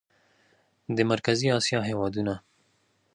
د مرکزي اسیا هېوادونه